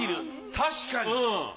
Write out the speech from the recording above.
確かに。